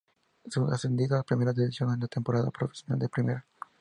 Se ascendido a Primera División en la temporada profesional de primera.